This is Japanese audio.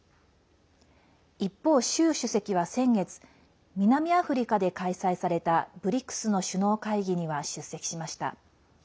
一方、習主席は先月南アフリカで開催されたＢＲＩＣＳの首脳会議には出席しました。